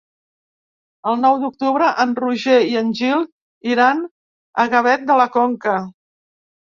El nou d'octubre en Roger i en Gil iran a Gavet de la Conca.